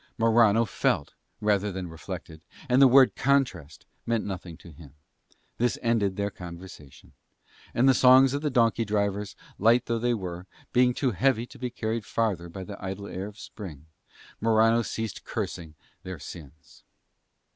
Morano felt rather than reflected; and the word CONTRAST meant nothing to him. This ended their conversation. And the songs of the donkey drivers, light though they were, being too heavy to be carried farther by the idle air of Spring, Morano ceased cursing their sins.